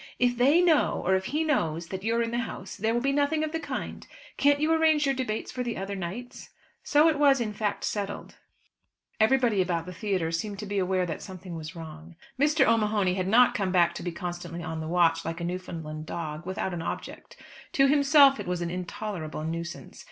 "If they know, or if he knows that you're in the house, there will be nothing of the kind. Can't you arrange your debates for the other nights?" So it was, in fact, settled. Everybody about the theatre seemed to be aware that something was wrong. Mr. O'Mahony had not come back to be constantly on the watch, like a Newfoundland dog, without an object. To himself it was an intolerable nuisance.